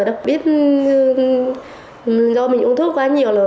đặc biệt do mình uống thuốc quá nhiều